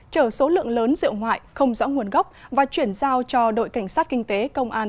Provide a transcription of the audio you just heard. chở số lượng lớn rượu ngoại không rõ nguồn gốc và chuyển giao cho đội cảnh sát kinh tế công an